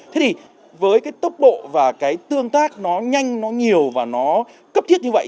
thế thì với cái tốc độ và cái tương tác nó nhanh nó nhiều và nó cấp thiết như vậy